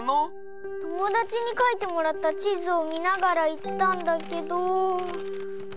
ともだちにかいてもらったちずをみながらいったんだけど。